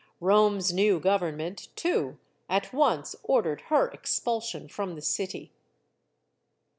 Rome's new government, too, at once ordered her expulsion from the city.